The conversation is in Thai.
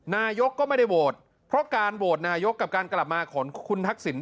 นายกก็ไม่ได้โหวตเพราะการโหวตนายกกับการกลับมาของคุณทักษิณ